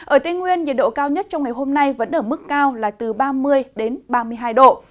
ở tây nguyên nhiệt độ cao nhất trong ngày hôm nay vẫn ở mức cao là từ ba mươi đến ba mươi hai độ